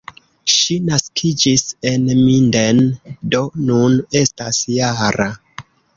Ŝi naskiĝis en Minden, do nun estas -jara.